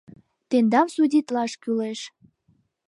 Тендам судитлаш кӱлеш.